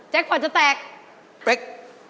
แจ๊คพอร์ตจะแตกเป๊ก